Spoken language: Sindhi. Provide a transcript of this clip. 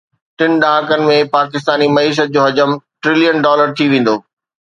ٽن ڏهاڪن ۾ پاڪستاني معيشت جو حجم ٽريلين ڊالر ٿي ويندو